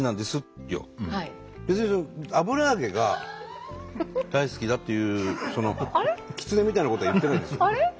別に油揚げが大好きだっていうキツネみたいなことは言ってないんです。